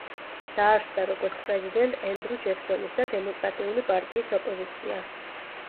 დაარსდა როგორც პრეზიდენტ ენდრუ ჯექსონის და დემოკრატიული პარტიის ოპოზიცია.